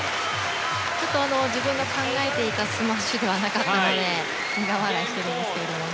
自分が考えていたスマッシュではなかったので苦笑いしてたんですけどね。